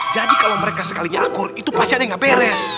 jadi kalau mereka sekalinya akur itu pasalnya gak beres